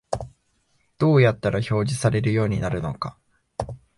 どうやったら表示されるようになるのか